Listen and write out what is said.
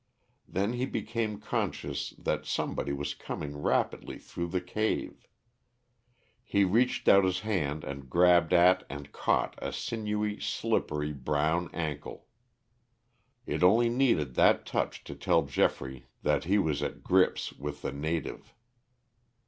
Then he became conscious that somebody was coming rapidly through the cave. He reached out his hand and grabbed at and caught a sinewy, slippery brown ankle. It only needed that touch to tell Geoffrey that he was at grips with the native.